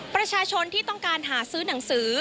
ประชาชนที่ต้องการหาซื้อหนังสือ